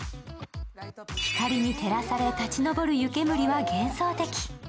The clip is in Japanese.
光に照らされ、立ち上る湯けむりは幻想的。